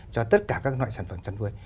cho tất cả các loại sản phẩm chăn nuôi